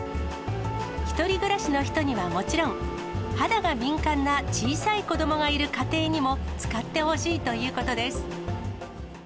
１人暮らしの人にはもちろん、肌が敏感な小さい子どもがいる家庭にも、使ってほしいということです。